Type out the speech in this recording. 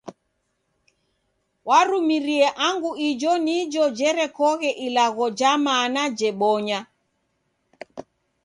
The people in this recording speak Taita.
Warumirie angu ijo nijo jerekoghe ilagho ja mana jebonya.